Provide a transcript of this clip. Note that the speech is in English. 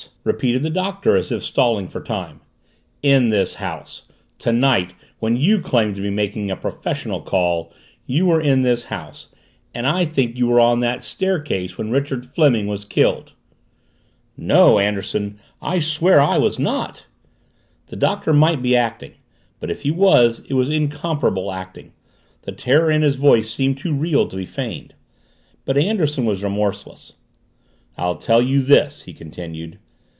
repeated the Doctor as if stalling for time. "In this house! Tonight, when you claimed to be making a professional call, you were in this house and I think you were on that staircase when Richard Fleming was killed!" "No, Anderson, I'll swear I was not!" The Doctor might be acting, but if he was, it was incomparable acting. The terror in his voice seemed too real to be feigned. But Anderson was remorseless. "I'll tell you this," he continued.